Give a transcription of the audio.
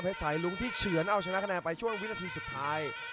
สายลุ้งที่เฉือนเอาชนะคะแนนไปช่วงวินาทีสุดท้าย